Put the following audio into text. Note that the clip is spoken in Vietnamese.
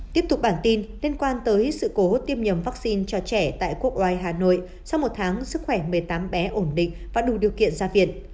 tiếp tục bản tin liên quan tới sự cố tiêm nhầm vaccine cho trẻ tại quốc oai hà nội sau một tháng sức khỏe một mươi tám bé ổn định và đủ điều kiện ra viện